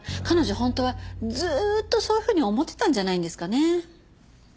彼女本当はずーっとそういうふうに思ってたんじゃないんですかね。